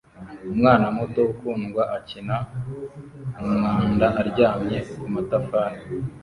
Umwana muto ukundwa akina mumwanda aryamye kumatafari